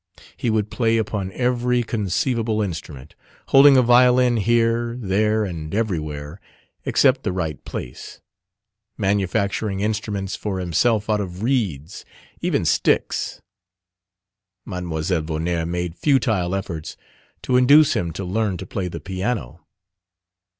He would play upon every conceivable instrument, holding a violin here, there, and everywhere except the right place: manufacturing instruments for himself out of reeds even sticks. Mlle Vonnaert made futile efforts to induce him to learn to play the piano.